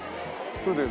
そうです。